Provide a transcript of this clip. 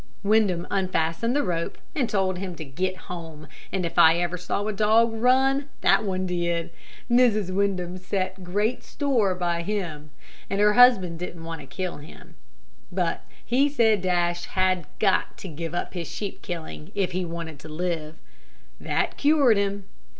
Windham unfastened the rope, and told him to get home, and if ever I saw a dog run, that one did. Mrs. Windham set great store by him, and her husband didn't want to kill him. But he said Dash had got to give up his sheep killing, if he wanted to live. That cured him.